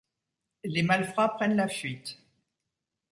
Les malfrats prennent la fuite.